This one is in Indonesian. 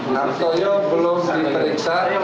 hartoyo belum diperiksa